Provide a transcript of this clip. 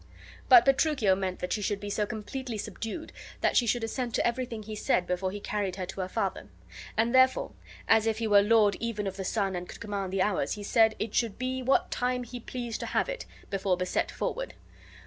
But Petruchio meant that she should be so completely subdued that she should assent to everything he said before he carried her to her father; and therefore, as if he were lord even of the sun and could command the hours, he said it. should be what time he pleased to have it, before beset forward.